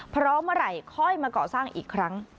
เพราะเมื่อไหร่ค่อยมาก่อสร้างอีกครั้ง